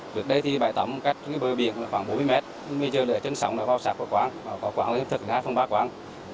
trước đây thì bài tắm cách bờ biển khoảng bốn mươi mét bây giờ là chân sông vào sạc quán có quán là sâm thực hai phần ba quán